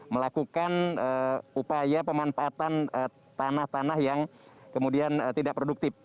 melakukan upaya pemanfaatan tanah tanah yang kemudian tidak produktif